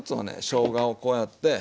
しょうがをこうやって。